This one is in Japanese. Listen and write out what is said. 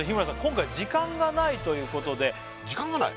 今回時間がないということで時間がない？